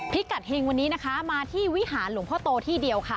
พิกัดเฮงวันนี้นะคะมาที่วิหารหลวงพ่อโตที่เดียวค่ะ